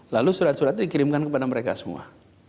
lalu surat surat itu dikirimkan kepada mereka semua